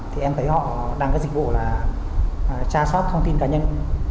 thì em thấy họ đăng các dịch vụ là tra sát thông tin cá nhân